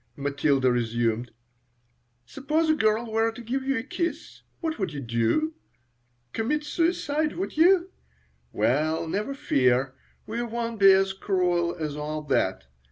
Matilda resumed. "Suppose a girl were to give you a kiss. What would you do? Commit suicide, would you? Well, never fear; we won't be as cruel as all that.